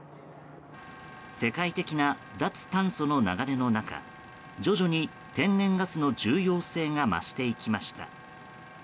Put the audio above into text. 世界的な脱炭素の流れの中徐々に天然ガスの重要性が増していきました。